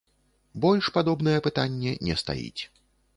Больш падобнае пытанне не стаіць.